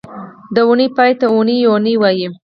د اونۍ پای ته اونۍ او یونۍ وایي